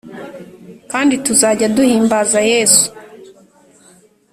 kandi tuzajya duhimbaza yesu